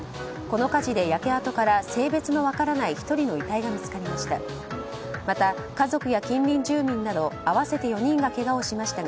この火事で焼け跡から性別の分からない１人の遺体が見つかりました。